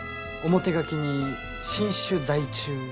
表書きに「新種在中」と。